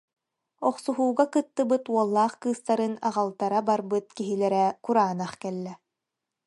Охсуһууга кыттыбыт уоллаах кыыстарын аҕалтара барбыт киһилэрэ кураанах кэллэ